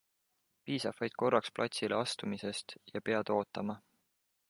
Piisab vaid korraks platsile astumisest ja pead ootama.